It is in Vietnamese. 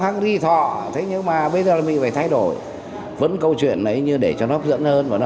henry thọ thế nhưng mà bây giờ mình phải thay đổi vẫn câu chuyện ấy như để cho nó hấp dẫn hơn và nó